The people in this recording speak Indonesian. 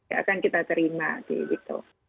akan kita terima gitu